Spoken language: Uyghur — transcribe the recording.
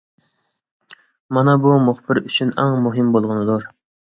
مانا بۇ مۇخبىر ئۈچۈن ئەڭ مۇھىم بولغىنىدۇر.